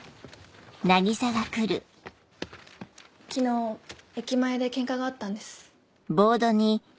昨日駅前でケンカがあったんです。